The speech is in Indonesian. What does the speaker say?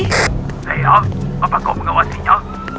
theo apakah kau mengawasinya